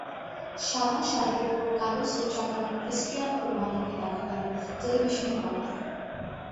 সাদা শার্টের ওপর কালো স্যুট চাপানো ক্রিস্টিয়ানো রোনালদোকে দেখা গেল টেলিভিশনের পর্দায়।